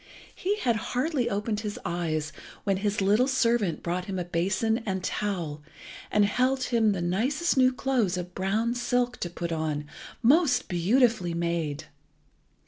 He had hardly opened his eyes when his little servant brought him a basin and towel, and held him the nicest new clothes of brown silk to put on, most beautifully made.